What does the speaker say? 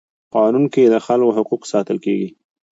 قانون کي د خلکو حقوق ساتل کيږي.